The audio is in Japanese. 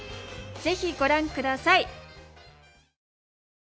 ぜひご覧下さい！